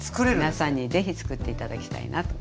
皆さんに是非つくって頂きたいなと。